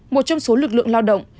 một trong số lực lượng lao động